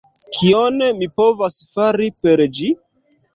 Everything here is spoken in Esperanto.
Kion mi povas fari per ĝi?